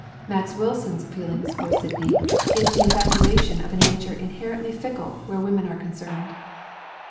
Max Wil son's feeling for Sidney is the infatuation of a nature inherently fickle where women are concerned.